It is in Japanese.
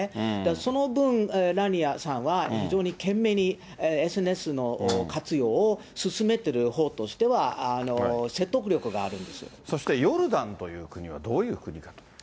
その分、ラーニアさんは、非常に賢明にＳＮＳの活用を進めてるほうとしては、説得力があるそしてヨルダンという国はどういう国か。